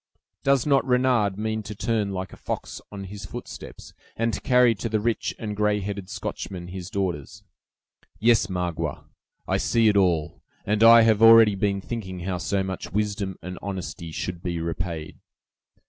Does not Renard mean to turn like a fox on his footsteps, and to carry to the rich and gray headed Scotchman his daughters? Yes, Magua, I see it all, and I have already been thinking how so much wisdom and honesty should be repaid.